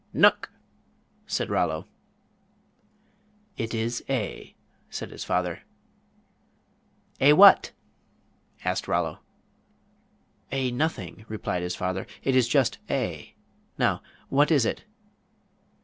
"Nuck," said Rollo. "It is A," said his father. "A what?" asked Rollo. "A nothing," replied his father, "it is just A. Now, what is it?"